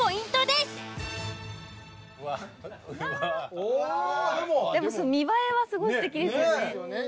でも見栄えはすごいすてきですよね。